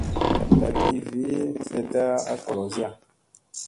Ndat i vi semiyetta a golozira.